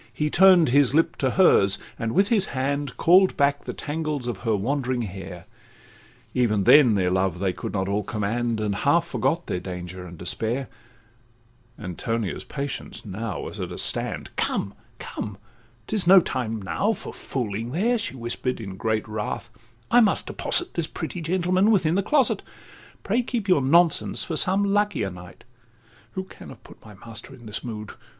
He turn'd his lip to hers, and with his hand Call'd back the tangles of her wandering hair; Even then their love they could not all command, And half forgot their danger and despair: Antonia's patience now was at a stand— 'Come, come, 'tis no time now for fooling there,' She whisper'd, in great wrath—'I must deposit This pretty gentleman within the closet: 'Pray, keep your nonsense for some luckier night— Who can have put my master in this mood?